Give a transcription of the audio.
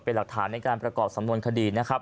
เป็นหลักฐานในการประกอบสำนวนคดีนะครับ